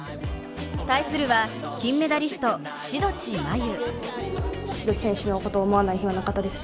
対するは金メダリスト志土地真優。